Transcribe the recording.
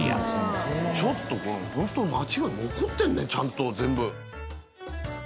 ちょっとこれホントに町が残ってるねちゃんと全部。